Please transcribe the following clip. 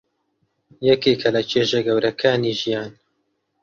یەکێکە لە چێژە گەورەکانی ژیان.